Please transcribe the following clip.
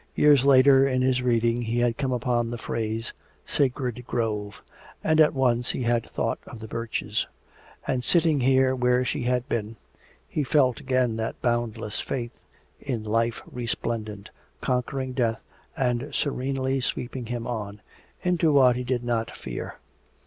Years later in his reading he had come upon the phrase, "sacred grove," and at once he had thought of the birches. And sitting here where she had been, he felt again that boundless faith in life resplendent, conquering death, and serenely sweeping him on into what he did not fear.